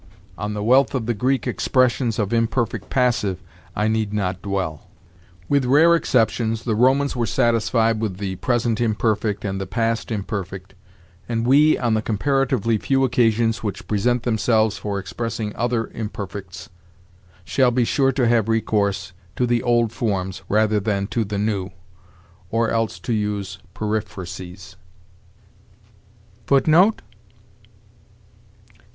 On the wealth of the Greek in expressions of imperfect passive I need not dwell. With rare exceptions, the Romans were satisfied with the present imperfect and the past imperfect; and we, on the comparatively few occasions which present themselves for expressing other imperfects, shall be sure to have recourse to the old forms rather than to the new, or else to use periphrases.